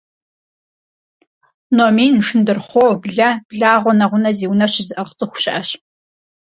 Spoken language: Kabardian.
Номин, шындурхъуо, блэ, благъуэ, нэгъунэ зи унэ щызыӏыгъ цӏыху щыӏэщ.